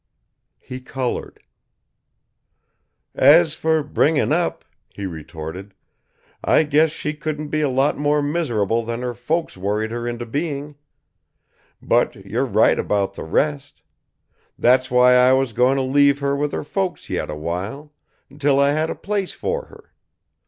He colored. "As for bringing up," he retorted, "I guess she couldn't be a lot more miserable than her folks worried her into being. But you're right about the rest. That's why I was going to leave her with her folks yet a while, until I had a place for her.